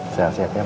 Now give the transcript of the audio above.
sehat sehat ya ma